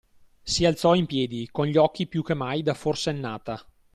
Si alzò in piedi, con gli occhi più che mai da forsennata.